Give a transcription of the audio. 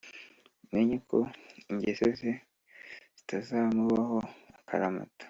umenye ko ingese ze zitazamubaho akaramata